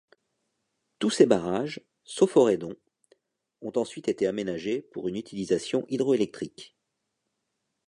Tous ces barrages, sauf Orédon, ont ensuite été aménagés pour une utilisation hydroélectrique.